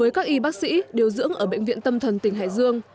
với các y bác sĩ điều dưỡng ở bệnh viện tâm thần tỉnh hải dương